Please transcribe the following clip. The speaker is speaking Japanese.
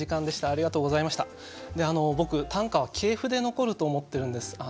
であの僕短歌は系譜で残ると思ってるんです。